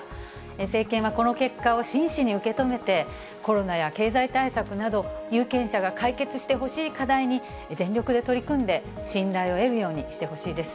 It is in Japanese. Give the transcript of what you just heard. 政権はこの結果を真摯に受け止めて、コロナや経済対策など、有権者が解決してほしい課題に全力で取り組んで、信頼を得るようにしてほしいです。